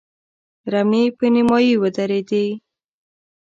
رمې په نيمايي ودرېدې.